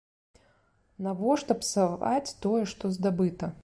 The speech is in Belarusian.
Навошта псаваць тое, што здабыта?